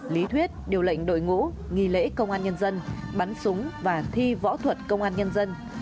lý thuyết điều lệnh đội ngũ nghi lễ công an nhân dân bắn súng và thi võ thuật công an nhân dân